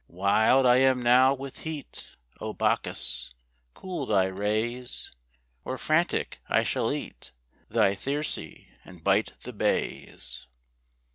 Wild I am now with heat: O Bacchus! cool thy rays; Or frantic I shall eat Thy Thyrse, and bite the Bays!